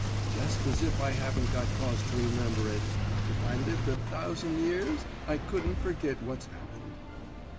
"Jest as if I haven't got cause to remember it! If I lived a thousand years I couldn't forgit what's happened.